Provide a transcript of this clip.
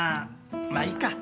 まいいか。